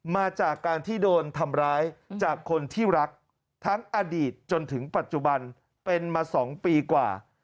มาจากการที่โดนทำร้ายจากคนที่รักทั้งอดีตจนถึงปัจจุบันเป็นมา๒ปีกว่า